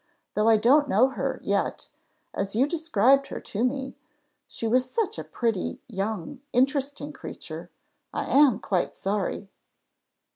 Though I don't know her, yet, as you described her to me, she was such a pretty, young, interesting creature! I am quite sorry."